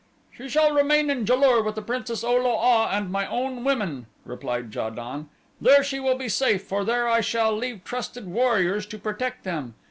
"She shall remain in Ja lur with the Princess O lo a and my own women," replied Ja don. "There she will be safe for there I shall leave trusted warriors to protect them.